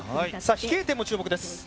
飛型点も注目です。